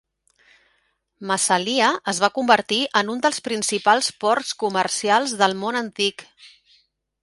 Massalia es va convertir en un dels principals ports comercials del món antic.